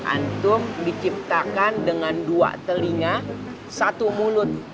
antum diciptakan dengan dua telinga satu mulut